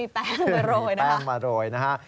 เพราะว่ามีแป้งมาโรยนะฮะ